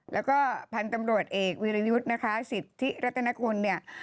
แล้วก็พันธุ์ตำรวจเอกวิริยุตนะคะสิทธิรัตนากุล